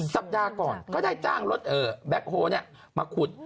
สัปดาห์ก่อนก็ได้จ้างรถแบ็คโฮลมาขุด